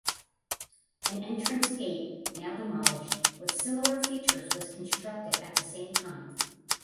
An entrance gate (now demolished) with similar features was constructed at the same time.